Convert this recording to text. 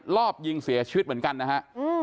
รอบยิงเสียชีวิตเหมือนกันนะฮะ